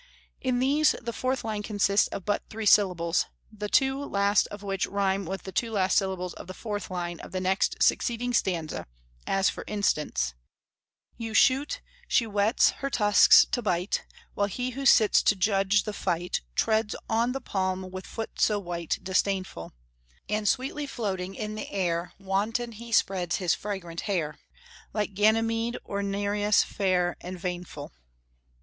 In these the fourth line consists of but three syllables, the two last of which rhyme with the two last syllables of the fourth line of the next succeeding stanza, as for instance: You shoot; she whets her tusks to bite; While he who sits to judge the fight Treads on the palm with foot so white, Disdainful, And sweetly floating in the air Wanton he spreads his fragrant hair, Like Ganymede or Nireus fair, And vainful.